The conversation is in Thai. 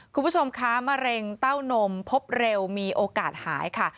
คุณผู้ชมคะมะเร็งเต้านมพบเร็วมีโอกาสหายค่ะ